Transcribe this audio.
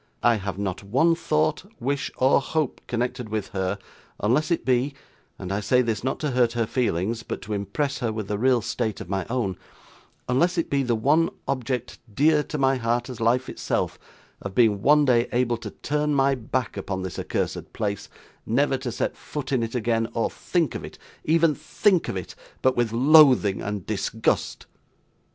I have not one thought, wish, or hope, connected with her, unless it be and I say this, not to hurt her feelings, but to impress her with the real state of my own unless it be the one object, dear to my heart as life itself, of being one day able to turn my back upon this accursed place, never to set foot in it again, or think of it even think of it but with loathing and disgust.